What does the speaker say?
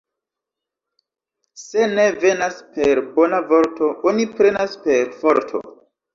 Se ne venas per bona vorto, oni prenas per forto.